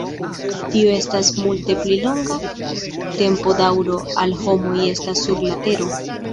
Tio estas multe pli longa tempodaŭro, ol homoj estas sur la Tero.